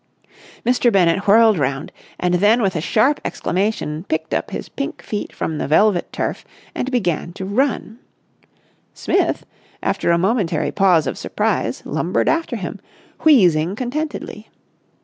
Mr. Bennett whirled round; and then with a sharp exclamation picked up his pink feet from the velvet turf and began to run. Smith, after a momentary pause of surprise, lumbered after him, wheezing contentedly.